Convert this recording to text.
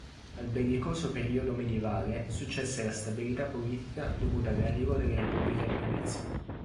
Al bellicoso periodo medievale successe la stabilità politica dovuta all'arrivo della Repubblica di Venezia.